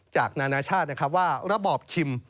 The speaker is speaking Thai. จากนานชาติว่าระบอบคิม